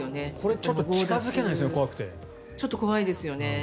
ちょっと怖いですよね。